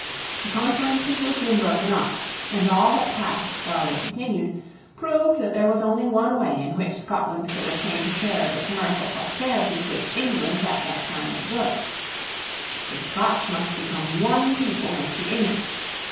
The conferences were soon broken off; and all that passed while they continued proved that there was only one way in which Scotland could obtain a share of the commercial prosperity which England at that time enjoyed, The Scotch must become one people with the English.